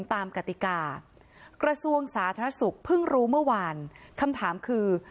กติกากระทรวงสาธารณสุขเพิ่งรู้เมื่อวานคำถามคือ